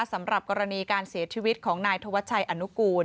สำหรับกรณีการเสียชีวิตของนายธวัชชัยอนุกูล